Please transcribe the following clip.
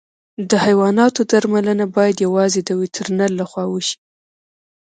د حیواناتو درملنه باید یوازې د وترنر له خوا وشي.